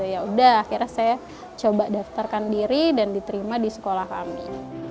ya udah akhirnya saya coba daftarkan diri dan diterima di sekolah kami